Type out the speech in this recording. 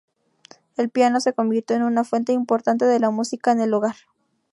El piano se convirtió en una fuente importante de la música en el hogar.